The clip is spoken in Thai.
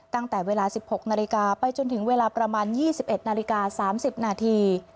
ตั้งแต่เวลา๑๖นาฬิกาไปจนถึงเวลาประมาณ๒๑นาฬิกา๓๐นาที